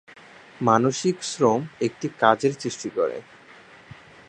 মানসিক শ্রম একটি কাজের সৃষ্টি করে।